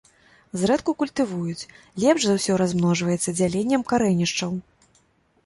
Зрэдку культывуюць, лепш за ўсё размножваецца дзяленнем карэнішчаў.